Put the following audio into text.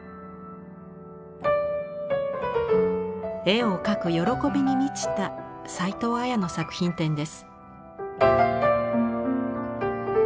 絵を描く喜びに満ちた齊藤彩の作品展です。